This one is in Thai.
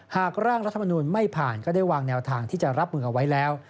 หากร่างรัฐมนุนไม่ผ่านก็ได้วางแนวทางที่จะรับมือเอาไว้แล้ว